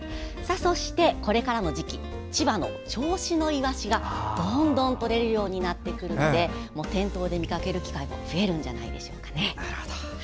そしてこれからの時期千葉の銚子のイワシがどんどん取れるようになってくるので店頭で見かける機会も増えるんじゃないでしょうかね。